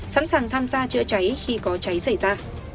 sẵn sàng tham gia chữa cháy khi có cháy xảy ra